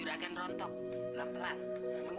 udah cepet bang